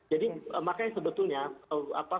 jadi makanya sebetulnya